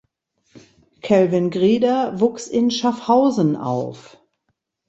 Calvin Grieder wuchs in Schaffhausen auf.